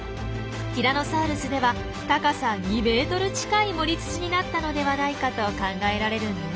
ティラノサウルスでは高さ２ｍ近い盛り土になったのではないかと考えられるんです。